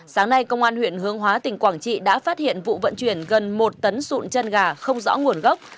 sáng nay công an huyện hướng hóa tỉnh quảng trị đã phát hiện vụ vận chuyển gần một tấn sụn chân gà không rõ nguồn gốc